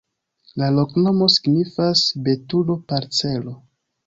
La loknomo signifas: betulo-parcelo.